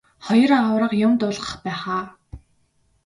Хоёр аварга юм дуулгах байх аа.